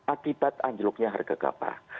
akibat anjloknya harga gabah